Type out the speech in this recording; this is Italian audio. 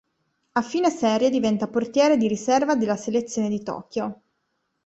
A fine serie diventa portiere di riserva della selezione di Tokyo.